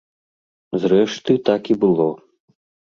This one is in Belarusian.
Зрэшты, так і было.